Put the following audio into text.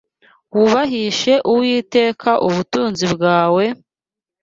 Wubahishe Uwiteka ubutunzi bwawe,